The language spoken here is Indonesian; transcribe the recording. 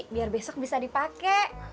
biar besok bisa dipake